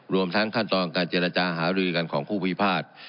รวมทั้งขั้นตอนการเจรจาหารือกันของผู้พิพาท